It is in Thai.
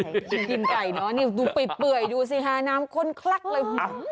กินไก่เนอะนี่ดูเปื่อยดูสิฮะน้ำข้นคลักเลย